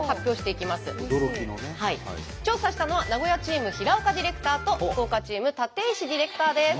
調査したのは名古屋チーム平岡ディレクターと福岡チーム立石ディレクターです。